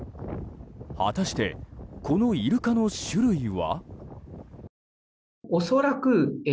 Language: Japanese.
果たして、このイルカの種類は？